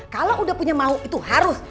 kalau udah punya mau itu harus